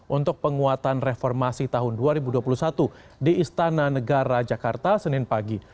untuk penguatan reformasi tahun dua ribu dua puluh satu di istana negara jakarta senin pagi